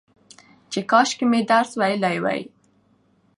چې کاشکي مې درس ويلى وى